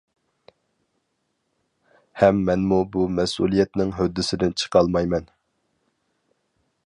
ھەم مەنمۇ بۇ مەسئۇلىيەتنىڭ ھۆددىسىدىن چىقالمايمەن.